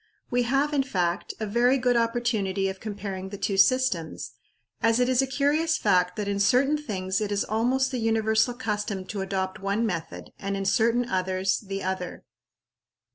We have, in fact, a very good opportunity of comparing the two systems, as it is a curious fact that in certain things it is almost the universal custom to adopt one method, and in certain others, the other.